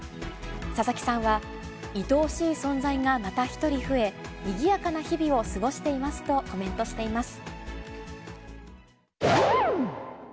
佐々木さんは、いとおしい存在がまた１人増え、にぎやかな日々を過ごしていますとコメントしています。